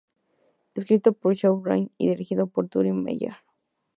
Escrito por Shawn Ryan y dirigido por Turi Meyer.